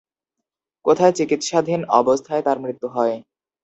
কোথায় চিকিৎসাধীন অবস্থায় তাঁর মৃত্যু হয়?